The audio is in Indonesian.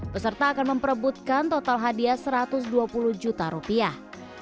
peserta akan memperebutkan total hadiah satu ratus dua puluh juta rupiah